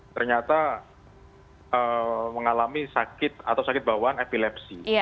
ternyata mengalami sakit atau sakit bawaan epilepsi